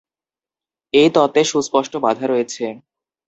এই তত্ত্বে সুস্পষ্ট বাধা রয়েছে।